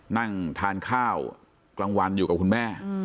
นั่งทานข้าวกลางวันอยู่กับคุณแม่